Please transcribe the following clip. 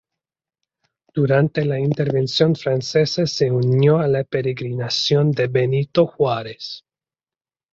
Durante la intervención francesa se unió a la peregrinación de Benito Juárez.